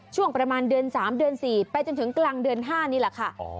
ช่วงประมาณเดือน๓เดือน๔ไปจนถึงกลางเดือน๕นี่แหละค่ะ